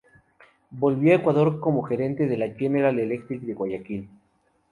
Volvió al Ecuador como Gerente de la General Electric de Guayaquil.